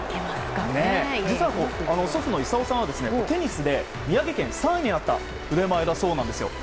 実は、祖父の勲さんはテニスで宮城県３位になった腕前だそうなんですよ。